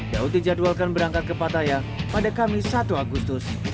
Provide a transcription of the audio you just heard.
daud dijadwalkan berangkat ke pataya pada kamis satu agustus